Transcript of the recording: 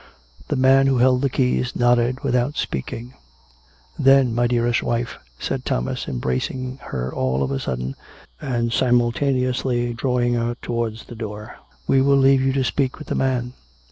The man who held the keys nodded without speak ing. " Then, my dearest wife," said Thomas, embracing her 244 COME RACK! COME ROPE! all of a sudden, and simultaneously drawing her towards the door, " we will leave you to speak with the man.